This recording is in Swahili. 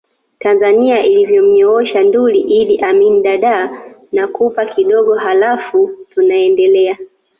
Tanzania ilivyomnyoosha Nduli Iddi Amin Dadaa nakupa kidogo haLafu tunaendelea